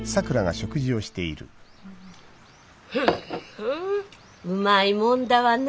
ふんうまいもんだわね。